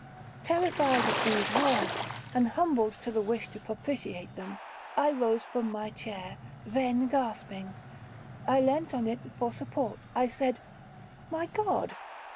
'—Terrified at these words, and humbled to the wish to propitiate them, I rose from my chair—then gasping, I leant on it for support. I said, 'My God!